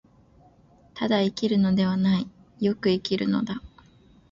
ただ生きるのではない、善く生きるのだ。